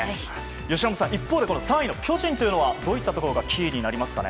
由伸さん一方で３位の巨人というのはどういったところがキーになりますかね。